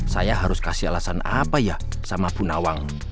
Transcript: saya harus kasih alasan apa ya sama bu nawang